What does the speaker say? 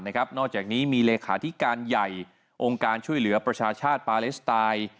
นอกจากนี้มีเลขาธิการใหญ่องค์การช่วยเหลือประชาชาติปาเลสไตน์